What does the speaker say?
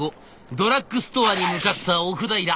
ドラッグストアに向かった奥平。